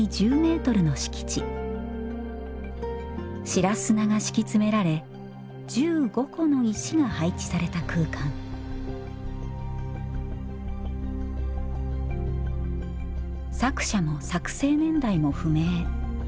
白砂が敷き詰められ１５個の石が配置された空間作者も作成年代も不明。